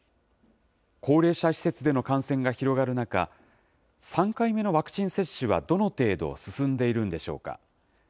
高齢者施設での感染が広がる中、３回目のワクチン接種はどの程度進んでいるんでしょうか。